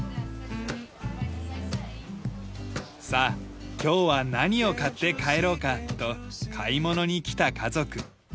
さあ今日は何を買って帰ろうかと買い物に来た家族。